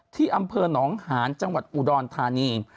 ที่อำเภอะน้องหานจังหวัดอุดรทานีเนียม